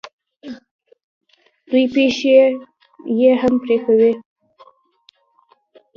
دوی پښې یې هم پرې کوي.